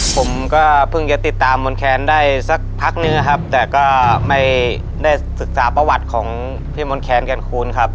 ผมก็เพิ่งจะติดตามมนแคนได้สักพักนึงนะครับแต่ก็ไม่ได้ศึกษาประวัติของพี่มนต์แคนแก่นคูณครับ